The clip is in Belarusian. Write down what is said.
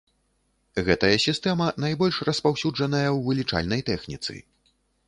Гэтая сістэма найбольш распаўсюджаная ў вылічальнай тэхніцы.